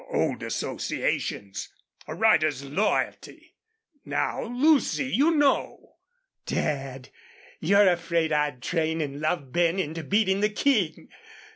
Old associations ... a rider's loyalty ... now, Lucy, you know " "Dad, you're afraid I'd train and love Ben into beating the King.